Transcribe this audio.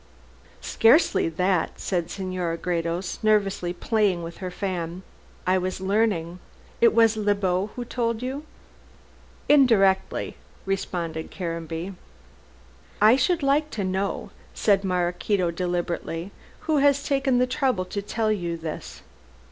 "Scarcely that," said Senora Gredos, nervously playing with her fan; "I was learning. It was Le Beau who told you?" "Indirectly," responded Caranby. "I should like to know," said Maraquito deliberately, "who has taken the trouble to tell you this.